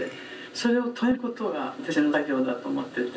それを止めることが私の作業だと思ってて。